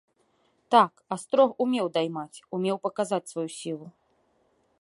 Так, астрог умеў даймаць, умеў паказаць сваю сілу!